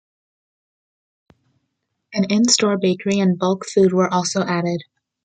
An in-store bakery and bulk food were also added.